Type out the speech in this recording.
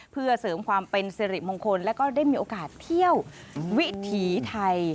เพื่อเสริมความเป็นสิริมงคลและก็ได้มีโอกาสเที่ยววิถีไทย